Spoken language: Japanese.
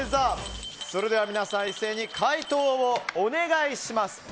それでは皆さん一斉に回答をお願いします。